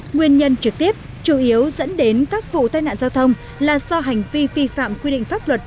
nguyên nhân trực tiếp chủ yếu dẫn đến các vụ tai nạn giao thông là do hành vi vi phạm quy định pháp luật